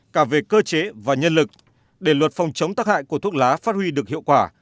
cả về cơ chế và nhân lực để luật phòng chống tắc hại của thuốc lá phát huy được hiệu quả